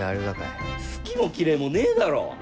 好きも嫌いもねえだろう。